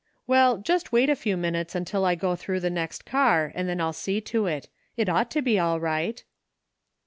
" Well, just wait a few minutes till I go through the next car and then I'll see to it It ought to be all right."